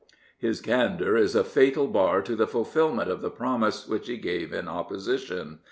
His candour is a fatal bar to the fulfilment of the promise which he gave in Opposition.